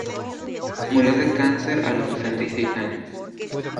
Murió de cáncer a los sesenta y seis años.